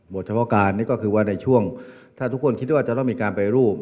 เฉพาะการนี่ก็คือว่าในช่วงถ้าทุกคนคิดว่าจะต้องมีการไปรูป